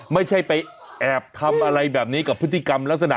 ไม่ใช่ไปแอบทำอะไรแบบนี้กับพฤติกรรมลักษณะ